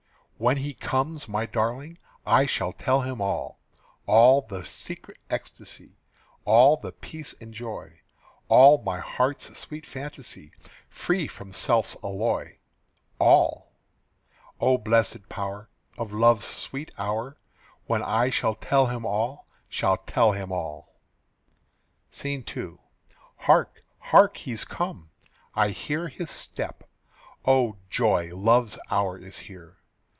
"When he comes, my darling, I shall tell him all: All the secret ecstasy, All the peace and joy, All my heart's sweet fantasy, Free from self's alloy, All O blessed power Of love's sweet hour, When I shall tell him all, Shall tell him all!" SCENE II. "Hark, hark! he's come. I hear his step. O joy, love's hour is here.